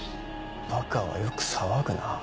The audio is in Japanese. バカはよく騒ぐなぁ。